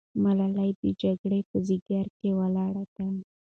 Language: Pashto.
ملالۍ د جګړې په ډګر کې ولاړه ده.